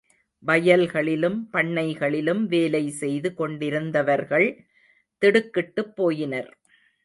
வயல்களிலும் பண்ணைகளிலும் வேலை செய்து கொண்டிருந்தவர்கள் திடுக்கிட்டுப் போயினர்.